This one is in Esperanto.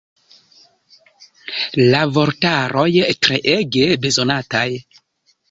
La vortaroj treege bezonataj.